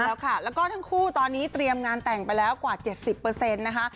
แล้วค่ะแล้วก็ทั้งคู่ตอนนี้เตรียมงานแต่งไปแล้วกว่า๗๐นะคะ